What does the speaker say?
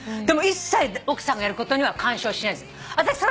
でも一切奥さんがやることには干渉しないっつって。